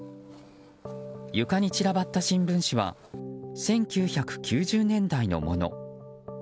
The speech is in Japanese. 床に散らばった新聞紙は１９９０年代のもの。